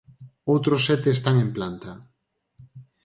Outros sete están en planta.